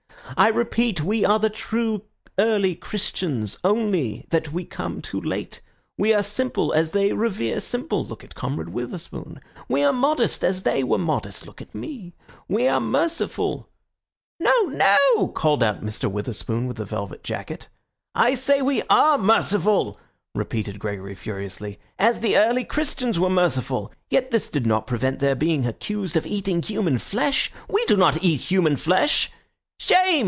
I repeat, we are the true early Christians, only that we come too late. We are simple, as they revere simple—look at Comrade Witherspoon. We are modest, as they were modest—look at me. We are merciful—" "No, no!" called out Mr. Witherspoon with the velvet jacket. "I say we are merciful," repeated Gregory furiously, "as the early Christians were merciful. Yet this did not prevent their being accused of eating human flesh. We do not eat human flesh—" "Shame!"